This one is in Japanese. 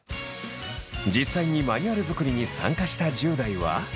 実際にマニュアル作りに参加した１０代は。